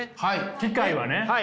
機械はね。